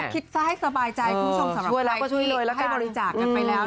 ก็คิดซะให้สบายใจคุณผู้ชมสำหรับใครที่ให้บริจาคกันไปแล้ว